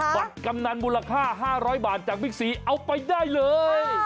กำนันมูลค่า๕๐๐บาทจากบิ๊กซีเอาไปได้เลย